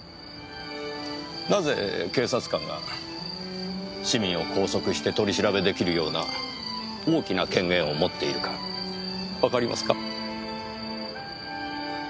なぜ警察官が市民を拘束して取り調べ出来るような大きな権限を持っているかわかりますか？